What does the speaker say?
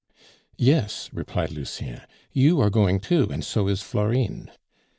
"Yes," replied Lucien; "you are going too, and so is Florine."